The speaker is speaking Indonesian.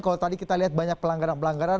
kalau tadi kita lihat banyak pelanggaran pelanggaran